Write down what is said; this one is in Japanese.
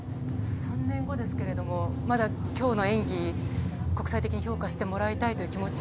３年後ですけれども、まだ今日の演技、国際的に評価してもらいたいって気持ちは？